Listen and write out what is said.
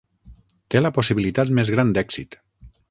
Té la possibilitat més gran d'èxit.